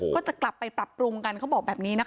ก็จะกลับไปปรับปรุงกันเขาบอกแบบนี้นะคะ